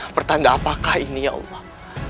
pertanda apakah ini ya allah